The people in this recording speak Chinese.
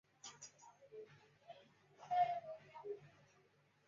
舒格兰德克萨斯是美国德克萨斯州本德堡县的一个普查规定居民点。